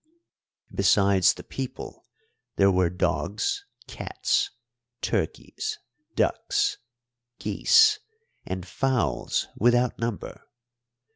Besides the people, there were dogs, cats, turkeys, ducks, geese, and fowls without number.